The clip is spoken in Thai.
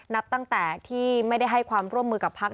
นับตั้งแต่ที่ไม่ได้ให้ความร่วมมือกับพัก